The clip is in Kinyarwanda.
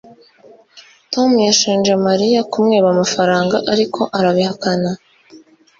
tom yashinje mariya kumwiba amafaranga, ariko arabihakana